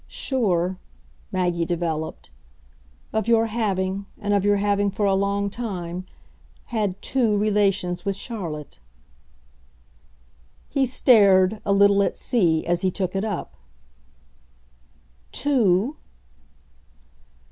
Sure," Maggie developed, "of your having, and of your having for a long time had, TWO relations with Charlotte." He stared, a little at sea, as he took it up. "Two